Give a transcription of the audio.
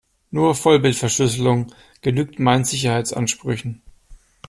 Nur Vollbitverschlüsselung genügt meinen Sicherheitsansprüchen.